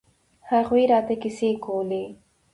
هغوى راته کيسې کولې.